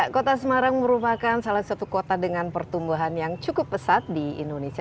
kota semarang merupakan salah satu kota dengan pertumbuhan yang cukup pesat di indonesia